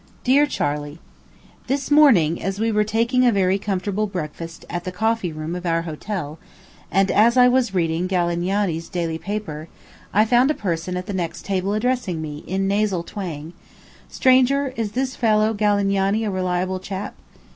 DEAR CHARLEY: This morning, as we were taking a very comfortable breakfast at the coffee room of our hotel, and as I was reading Galignani's daily paper, I found a person at the next table addressing me, in nasal twang, "Stranger, is this fellow Galignani a reliable chap?"